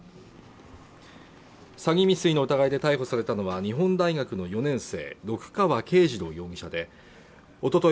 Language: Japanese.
詐欺未遂の疑いで逮捕されたのは日本大学の４年生六川恵二朗容疑者でおととい